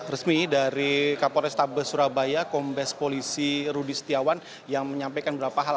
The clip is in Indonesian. resmi dari kapolrestabes surabaya kombes polisi rudi setiawan yang menyampaikan beberapa hal